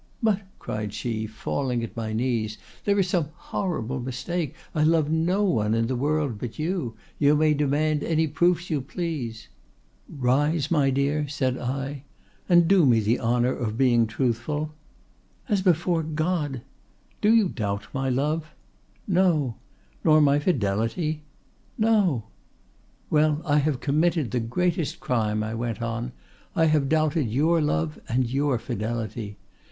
'—'But,' cried she, falling at my knees, 'there is some horrible mistake; I love no one in the world but you; you may demand any proofs you please.'—'Rise, my dear,' said I, 'and do me the honor of being truthful.'—'As before God.'—'Do you doubt my love?'—'No.'—'Nor my fidelity?'—'No.'—'Well, I have committed the greatest crime,' I went on. 'I have doubted your love and your fidelity.